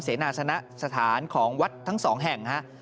เสนาสนสถานของวัดทั้งสองแห่งฮะ